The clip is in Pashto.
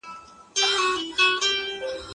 دا مرسته له هغه مهمه ده.